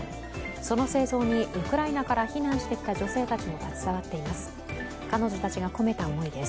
その製造にウクライナから避難してきた女性たちも携わっています。